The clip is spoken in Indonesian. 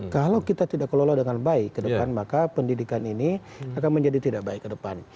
kalau kita tidak kelola dengan baik ke depan maka pendidikan ini akan menjadi tidak baik ke depan